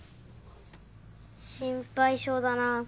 心配性だなぁ。